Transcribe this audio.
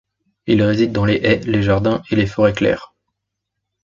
Il réside dans les haies, les jardins et les forêts claires.